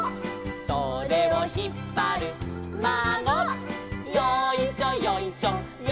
「それをひっぱるまご」「よいしょよいしょよいしょ」